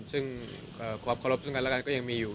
ซึ่งความเคารพซึ่งกันและกันก็ยังมีอยู่